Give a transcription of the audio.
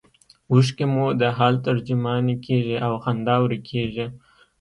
اوښکې مو د حال ترجمانې کیږي او خندا ورکیږي